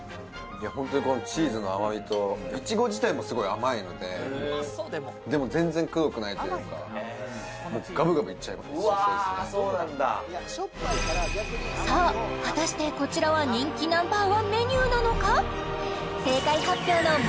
本当にこのチーズの甘みと苺自体もすごい甘いのででも全然クドくないというかもうガブガブいっちゃいそうですねさあ果たしてこちらは人気Ｎｏ．１メニューなのか？